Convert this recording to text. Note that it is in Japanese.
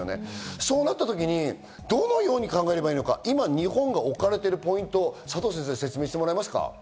そうなった時に、どのように考えればいいのか、今、日本が置かれてるポイントを佐藤先生、説明してください。